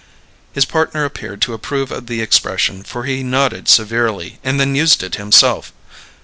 His partner appeared to approve of the expression, for he nodded severely and then used it himself.